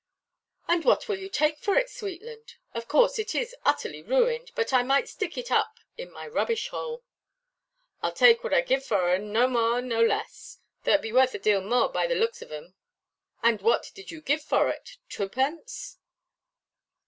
"And what will you take for it, Sweetland? Of course it is utterly ruined; but I might stick it up in my rubbish–hole." "Iʼll tak whutt I gie vor 'un; no mare, nor no less. Though be warth a dale mare by the looks ov 'un." "And what did you give for it—twopence?"